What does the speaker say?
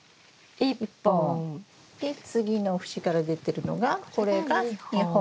で次の節から出てるのがこれが２本。